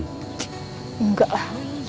tch enggak lah